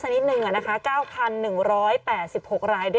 กล้องกว้างอย่างเดียว